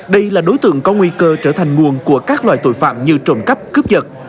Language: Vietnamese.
đây là đối tượng có nguy cơ trở thành nguồn của các loại tội phạm như trộm cắp cướp dật